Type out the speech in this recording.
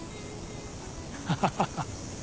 ハハハハ。